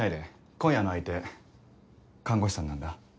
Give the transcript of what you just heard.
今夜の相手看護師さんなんだ。